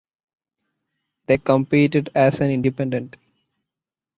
They competed as an independent.